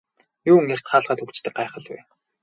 Юун эрт хаалгаа түгждэг гайхал вэ.